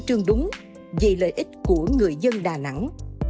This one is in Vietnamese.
chủ trương đúng dì lợi ích của người dân đà nẵng